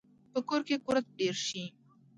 په کور کې کورت ډیر شي